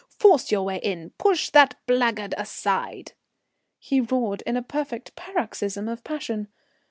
Force your way in, push that blackguard aside!" he roared in a perfect paroxysm of passion.